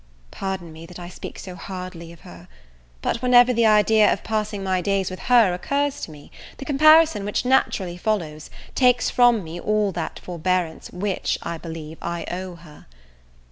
Pardon me that I speak so hardly of her; but whenever the idea of passing my days with her occurs to me, the comparison which naturally follows, takes from me all that forbearance which, I believe, I owe her.